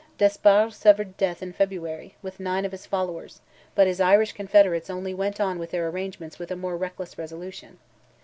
Despard suffered death in February, with nine of his followers, but his Irish confederates only went on with their arrangements with a more reckless resolution.